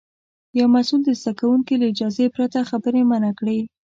یو مسوول د زده کوونکي له اجازې پرته خبرې منع کړې.